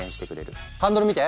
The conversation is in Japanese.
ハンドル見て！